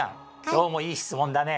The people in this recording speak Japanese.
今日もいい質問だね！